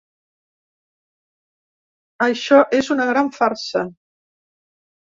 Això és una gran farsa.